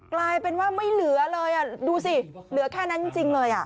กลายเป็นว่าไม่เหลือเลยดูสิเหลือแค่นั้นจริงเลย